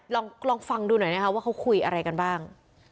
ลองฟังดูหน่อยนะคะว่าเขาคุยอะไรกันบ้าง